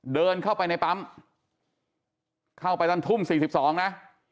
เดินเข้าไปในปั๊มเข้าไปตั้งทุ่มสี่สิบสองนะ